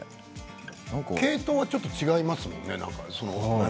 系統はちょっと違いますものね。